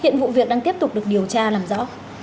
hiện vụ việc đang tiếp tục được điều tra làm rõ